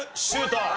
シュート！